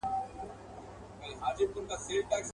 اورنګ زېب چي د مغولو ستر واکمن وو.